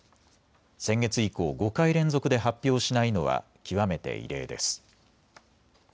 先月以降、５回連続で発表しないのは極めて異例です。